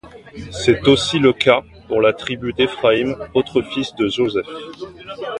C'est aussi le cas pour la tribu d'Éphraïm, autre fils de Joseph.